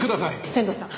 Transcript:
仙堂さん。